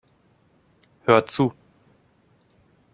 Hör zu!